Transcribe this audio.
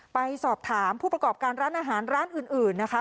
ไปสอบถามผู้ประกอบการร้านอาหารร้านอื่นนะคะ